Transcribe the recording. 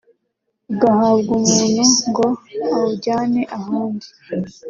ugahabwa umuntu ngo awujyane ahandi